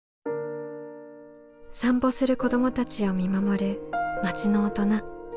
散歩する子どもたちを見守る町の大人。